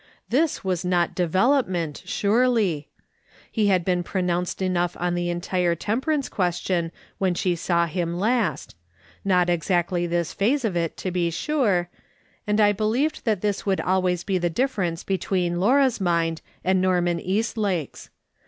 This was not development, surely ! He had been pronounced enough on the entire temperance question when she saw him last ; not exactly this phase of it, to be sure; and I believed that this would always be the difference between Laura's mind and Norman Eastlake's.